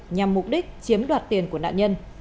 nhằm mục đích chiếm đoạt tiền của nạn nhân